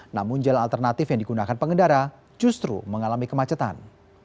namun jalan alternatif yang digunakan pengendara justru mengalami kemacetan